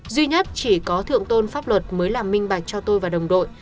duy nhất chỉ có thượng tôn pháp luật mới làm minh bạch cho tôi và đồng đội